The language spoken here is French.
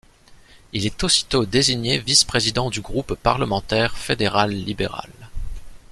Il est aussitôt désigné vice-président du groupe parlementaire fédéral libéral.